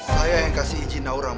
saya yang kasih izin orang